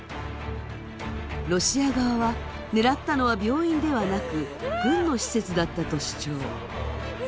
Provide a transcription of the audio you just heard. ロシア側は、狙ったのは病院ではなく軍の施設だったと主張。